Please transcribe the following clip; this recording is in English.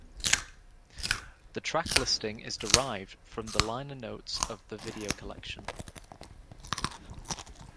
The track listing is derived from the liner notes of "The Video Collection".